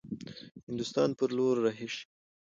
هندوستان پر لور رهي شي.